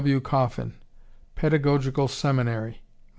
W. Coffin, Pedagogical Seminary, Mar.